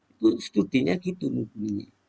itu studinya gitu mungkin